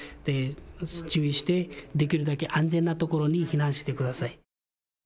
注意してできるだけ安全な所に避難してください。